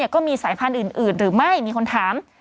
ก็มีสายพันธุ์อื่นหรือไม่มีคนถาม